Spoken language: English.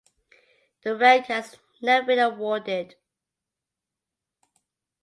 The rank has never been awarded.